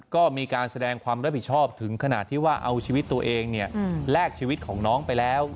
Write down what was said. ก็มีการแสดงความรับผิดชอบถึงขนาดที่ว่าเอาชีวิตตัวเองแลกชีวิตของน้องไปแล้ว